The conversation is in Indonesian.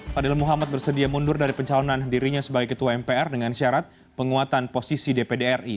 fadil muhammad bersedia mundur dari pencalonan dirinya sebagai ketua mpr dengan syarat penguatan posisi dpd ri